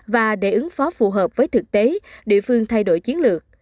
và để ứng phó phù hợp với thực tế địa phương thay đổi chiến lược